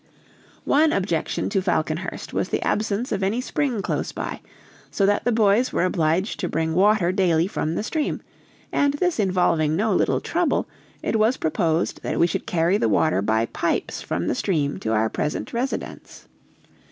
One objection to Falconhurst was the absence of any spring close by, so that the boys were obliged to bring water daily from the stream; and this involving no little trouble, it was proposed that we should carry the water by pipes from the stream to our present residence.